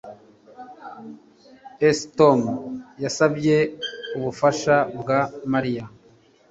S Tom yasabye ubufasha bwa Mariya